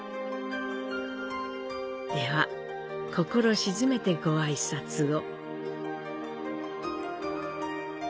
では、心鎮めてご挨拶を。